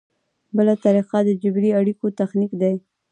بله طریقه د جبري اړیکو تخنیک دی.